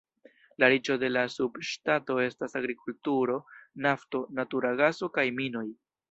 La riĉo de la subŝtato estas agrikulturo, nafto, natura gaso kaj minoj.